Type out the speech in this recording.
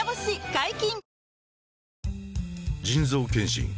解禁‼